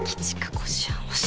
こしあん！